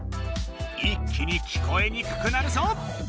一気に聞こえにくくなるぞ！